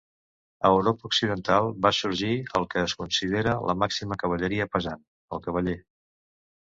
A Europa Occidental va sorgir el que es considera la "màxima" cavalleria pesant, el cavaller.